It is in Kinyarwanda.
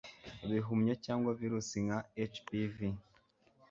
ibihumyo cyangwa virusi nka HPV